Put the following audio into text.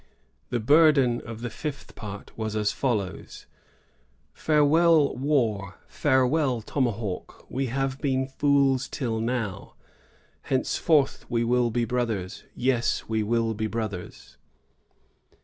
The burden of the fifth part was as follows: — "Farewell war! farewell tomahawk! We have been fools tiU now ; henceforth we will be brothers, — yes, we will be brothers."